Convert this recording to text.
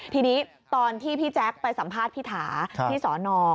ทีนี้ตอนที่พี่แจ๊คไปสัมภาษณ์พี่ถาที่สอนอ